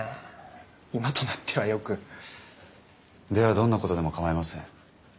どんなことでも構いません。